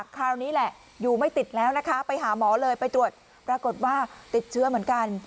คราวนี้แหละอยู่ไม่ติดแล้วนะคะไปหาหมอเลยไปตรวจปรากฏว่าติดเชื้อเหมือนกัน